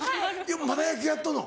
まだ野球やっとんの？